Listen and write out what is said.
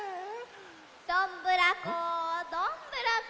・どんぶらこどんぶらこ。